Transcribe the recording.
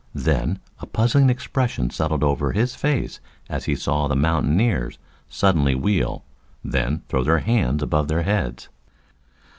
Then a puzzling expression settled over his face as he saw the mountaineers suddenly wheel, then throw their hands above their heads.